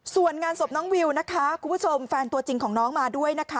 ส่วนงานศพน้องวิวนะคะคุณผู้ชมแฟนตัวจริงของน้องมาด้วยนะคะ